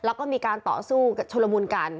แล้วก็มีการต่อสู้ชุลมุนกัน